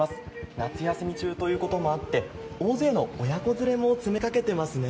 夏休み中ということもあって大勢の親子連れも詰めかけていますね。